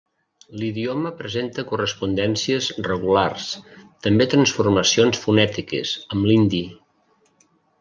L'idioma presenta correspondències regulars, també transformacions fonètiques, amb l'hindi.